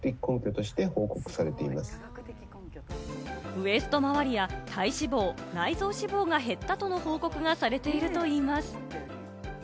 ウエスト周りや体脂肪、内臓脂肪が減ったとの報告がされているといいます。